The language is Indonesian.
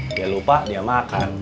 dia lupa dia makan